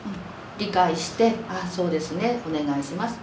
理解して「あそうですねお願いします。